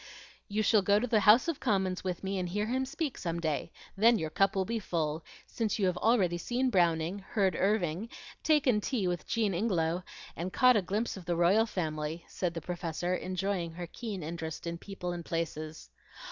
"You shall go to the House of Commons with me and hear him speak some day; then your cup will be full, since you have already seen Browning, heard Irving, taken tea with Jean Ingelow, and caught a glimpse of the royal family," said the Professor, enjoying her keen interest in people and places.